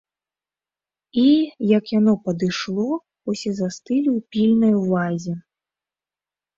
І, як яно падышло, усе застылі ў пільнай увазе.